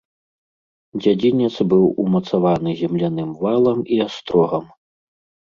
Дзядзінец быў умацаваны земляным валам і астрогам.